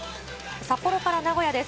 札幌から名古屋です。